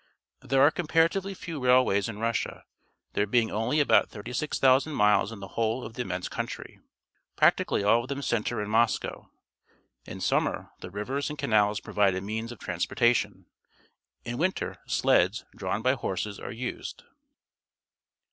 There are comparatively few railways in Russia, there being only about 36,000 miles in the whole of the immense country. Practically all of them centre in Moscow. In summer, the rivers and canals provide a means of transportation. In winter, sleds, drawTi by horses, are used.